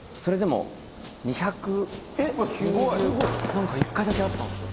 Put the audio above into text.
何か１回だけあったんですよ。